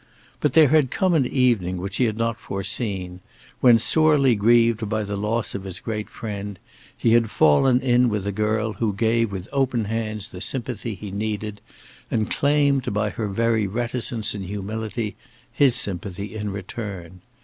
But there had come an evening which he had not foreseen, when, sorely grieved by the loss of his great friend, he had fallen in with a girl who gave with open hands the sympathy he needed, and claimed, by her very reticence and humility, his sympathy in return.